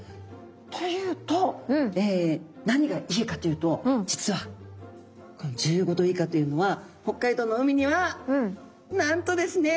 というと何がいいかというと実はこの１５度以下というのは北海道の海にはなんとですね。